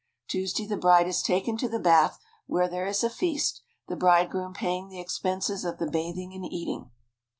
Tuesday the bride is taken to the bath where there is a feast, the bridegroom paying the expenses of the bathing and eating.